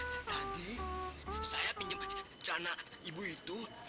tadi saya pinjam cana ibu itu